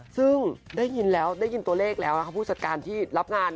ซึ่งได้ยินตัวเลขแล้วผู้จัดการที่รับงาน